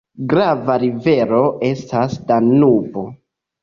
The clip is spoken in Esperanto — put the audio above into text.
Grava rivero estas Danubo.